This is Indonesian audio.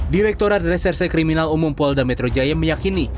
direkturat reserse kriminal umum polda metro jaya meyakini